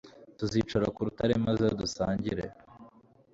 tuzicara ku rutare, maze dusangire